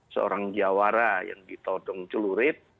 seorang jawara yang ditodong celurit